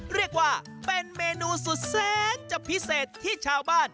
เรียกว่าเป็นเมนูสุดแซนจะพิเศษที่ชาวบ้าน